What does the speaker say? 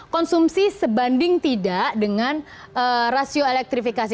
konsumsi sebanding tidak dengan rasio elektrifikasi